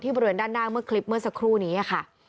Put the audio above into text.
บริเวณด้านหน้าเมื่อคลิปเมื่อสักครู่นี้ค่ะ